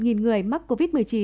dịch bệnh mắc covid một mươi chín